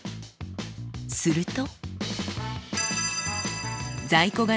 すると。